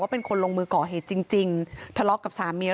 เป็นคนลงมือก่อเหตุจริงจริงทะเลาะกับสามี